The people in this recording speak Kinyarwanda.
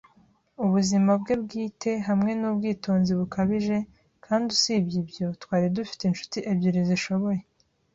ubuzima bwe bwite, hamwe nubwitonzi bukabije. Kandi usibye ibyo, twari dufite inshuti ebyiri zishoboye